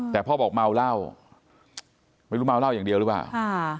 แต่พ่อบอกเมาเหล้าไม่รู้เมาเหล้าอย่างเดียวหรือเปล่าค่ะ